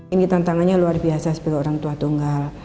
ini tantangannya luar biasa sebagai orang tua tunggal